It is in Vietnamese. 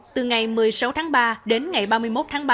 từ ngày một mươi sáu tháng ba đến ngày ba mươi một tháng ba